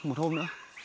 một hôm nữa